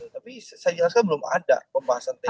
tapi saya jelaskan belum ada pembahasan teknis